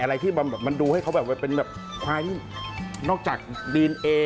อะไรที่มันดูให้เขาเป็นควายนอกจากดีนเอ